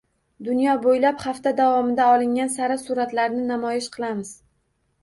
Dunyo bo‘ylab hafta davomida olingan sara suratlarni namoyish qilamiz